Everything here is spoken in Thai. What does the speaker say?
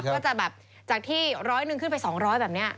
ก็จะแบบจากที่ร้อยหนึ่งขึ้นไป๒๐๐แบบนี้